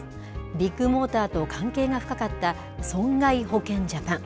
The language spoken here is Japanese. ビッグモーターと関係が深かった損害保険ジャパン。